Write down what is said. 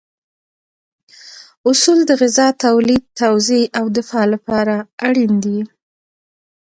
اصول د غذا تولید، توزیع او دفاع لپاره اړین دي.